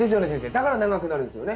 だから長くなるんですよね？